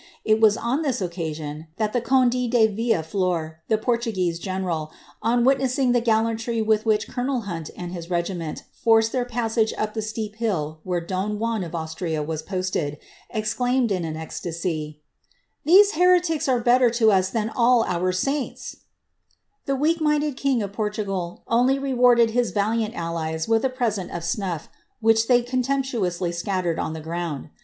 It was on iccasion that the conde de Villa Flor, the Portuguese general, on saing the gallantry with which colonel Hunt and his regiment forced passage up the steep hill where don John of Austria was posted, imed in an ecstasy, ^ These heretics are better to us than all our I P The weak minded king of Portugal only rewarded his valiant with a present of snufi^ which they contemptuously scattered on the id.